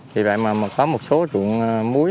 vì vậy mà có một số rụng muối